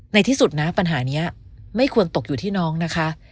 ในที่สุดนะปัญหานี้ไม่ควรตกอยู่ที่น้องนะคะ